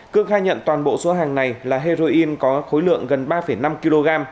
cương khai nhận toàn bộ số hàng này là heroin có khối lượng gần ba năm kg